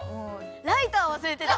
ライターわすれてた。